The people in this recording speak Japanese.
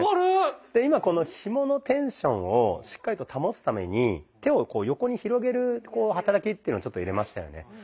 で今このひものテンションをしっかりと保つために手をこう横に広げる働きっていうのをちょっと入れましたよね。